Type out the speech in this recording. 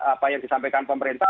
apa yang disampaikan pemerintah